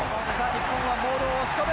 日本はモールを押し込む。